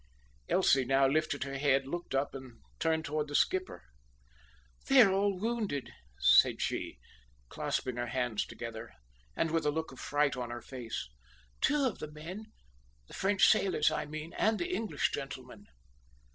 Elsie now lifted her head, looked up and turned towards the skipper. "They are all wounded," said she, clasping her hands together and with a look of fright on her face. "Two of the men the French sailors, I mean and the English gentleman."